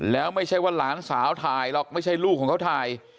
แล้วไม่ใช่ว่าหลานสาวถ่ายหรอกไม่ใช่ลูกของเขาถ่าย